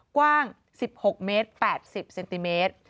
กว้าง๑๖เมตร๘๐เซนติเมตร